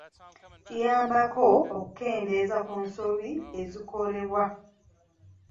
Kiyambako okukendeeza ku nsobi ezikolebwa.